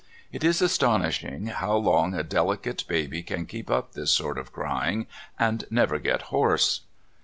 It is astonishing how long a delicate baby can keep up this sort of crying, and never get hoarse.